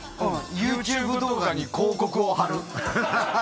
ＹｏｕＴｕｂｅ動画に広告を貼る。